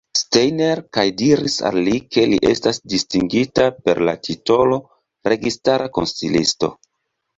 Steiner kaj diris al li, ke li estas distingita per la titolo "registara konsilisto".